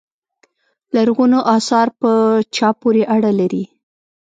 لرغونو اثار په چا پورې اړه لري.